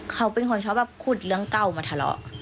เขาเป็นคนชอบแบบขุดเรื่องเก่ามาทะเลาะ